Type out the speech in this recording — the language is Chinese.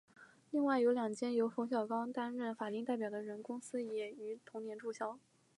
另外有两间由冯小刚担任法定代表人的公司也于同年注销。